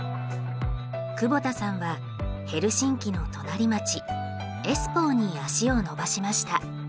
窪田さんはヘルシンキの隣町エスポーに足を延ばしました。